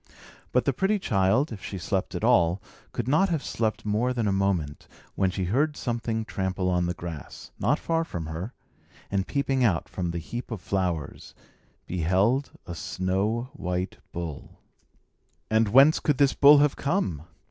But the pretty child, if she slept at all, could not have slept more than a moment, when she heard something trample on the grass, not far from her, and peeping out from the heap of flowers, beheld a snow white bull. And whence could this bull have come?